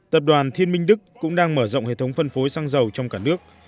tập đoàn thiên minh đức cũng đang mở rộng hệ thống phân phối xăng dầu trong cả nước